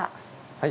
はい。